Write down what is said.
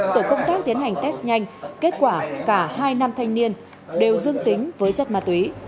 tổ công tác tiến hành test nhanh kết quả cả hai nam thanh niên đều dương tính với chất ma túy